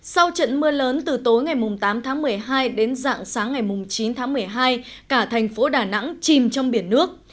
sau trận mưa lớn từ tối ngày tám tháng một mươi hai đến dạng sáng ngày chín tháng một mươi hai cả thành phố đà nẵng chìm trong biển nước